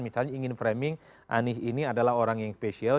misalnya ingin framing anies ini adalah orang yang spesial